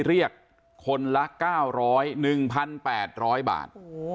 เรียกคนละ๙๐๑๘๐๐บาท